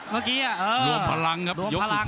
เมื่อกี้อะวิวพลังนะครับ